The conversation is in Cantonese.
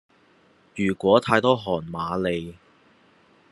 如果太多韓瑪利